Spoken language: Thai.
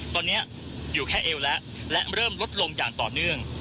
ตอนนี้อยู่แค่เอวแล้วและเริ่มลดลงอย่างต่อเนื่อง